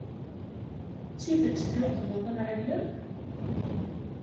D tidet tluqbed amɛellem?